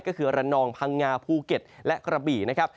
ก็คือระนองพังงาภูเก็ตและกระบี่นะครับ